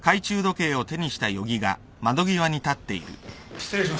失礼します。